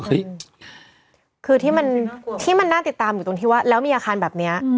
คือที่มันที่มันน่าติดตามอยู่ตรงที่ว่าแล้วมีอาคารแบบนี้